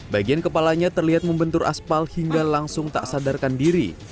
bagian kepalanya terlihat membentur aspal hingga langsung tak sadarkan diri